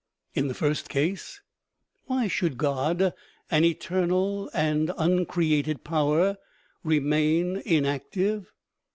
In the first case, why should God, an eternal and uncreated power, remain inactive